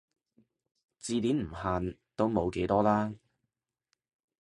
字典唔限都冇幾多啦